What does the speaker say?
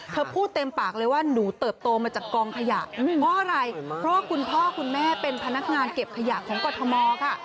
พูดเต็มปากเลยว่าหนูเติบโตมาจากกองขยะเพราะอะไรเพราะว่าคุณพ่อคุณแม่เป็นพนักงานเก็บขยะของกรทมค่ะ